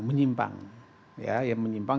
menyimpang ya yang menyimpang